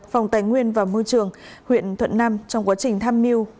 phòng tài nguyên và môi trường huyện thuận nam trong quá trình tham mưu